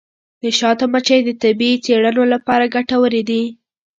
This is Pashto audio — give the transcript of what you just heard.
د شاتو مچۍ د طبي څیړنو لپاره ګټورې دي.